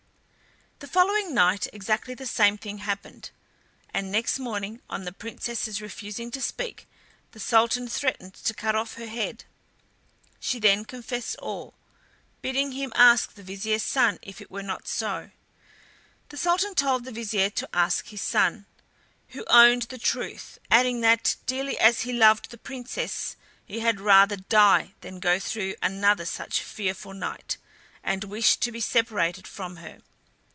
The following night exactly the same thing happened, and next morning, on the Princess's refusing to speak, the Sultan threatened to cut off her head. She then confessed all, bidding him ask the Vizier's son if it were not so. The Sultan told the Vizier to ask his son, who owned the truth, adding that, dearly as he loved the Princess, he had rather die than go through another such fearful night, and wished to be separated from her.